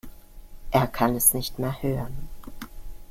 Er kann es nicht mehr hören.